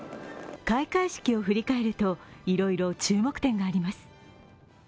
開会式を振り返ると、いろいろ注目点があります。